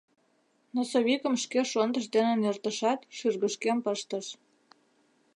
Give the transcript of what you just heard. Носовикым шке шондыж дене нӧртышат, шӱргышкем пыштыш.